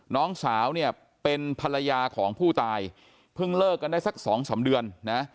น้องสาวเนี่ยเป็นภรรยาของผู้ตายเพิ่งเลิกกันได้สักสองสามเดือนนะ